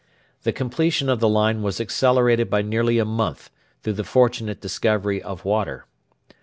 The completion of the line was accelerated by nearly a month through the fortunate discovery of water.